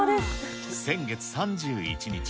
先月３１日。